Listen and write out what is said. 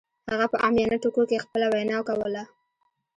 هغه په عامیانه ټکو کې خپله وینا کوله